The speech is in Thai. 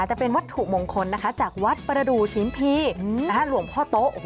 จะเป็นวัดถุงมงคลนะคะจากวัฏรูชิ้นปีหลวงพ่อโต๊ะ